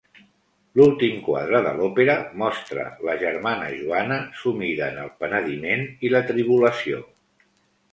L'últim quadre de l'òpera mostra la germana Joana sumida en el penediment i la tribulació.